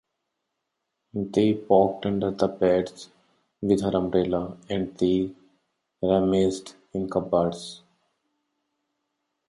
They poked under the beds with her umbrella, and they rummaged in cupboards.